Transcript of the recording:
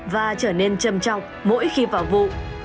và trở nên trầm trọng mỗi khi vào vụ